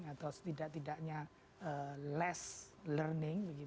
atau setidak tidaknya less learning